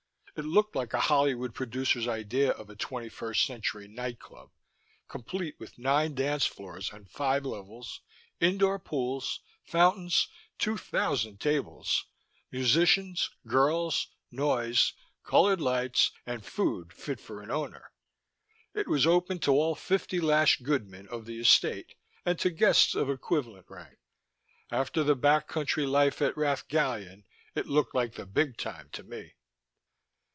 It looked like a Hollywood producer's idea of a twenty first century night club, complete with nine dance floors on five levels, indoor pools, fountains, two thousand tables, musicians, girls, noise, colored lights, and food fit for an Owner. It was open to all fifty lash goodmen of the Estate and to guests of equivalent rank. After the back country life at Rath Gallion it looked like the big time to me.